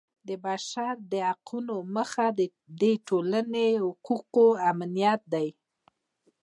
د بشر د حقونو موخه د ټولنې حقوقو امنیت دی.